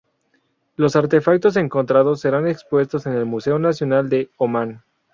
Los artefactos encontrados serán expuestos en el Museo nacional de Omán.